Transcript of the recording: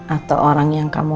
atau orang yang kamu